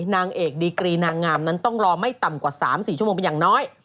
นางเอกดีกรีนางงามนั้นต้องรอไม่ต่ำกว่า๓๔ชั่วโมงเป็นอย่างน้อย